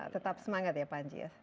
tetap semangat ya panji ya